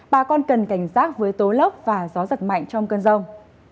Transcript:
bà con cần cảnh giác với tố lốc và gió giật mạnh trong cơn rông